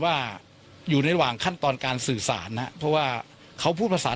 ว่าอยู่ในระหว่างขั้นตอนการสื่อสารนะเพราะว่าเขาพูดภาษา